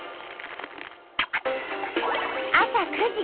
朝９時。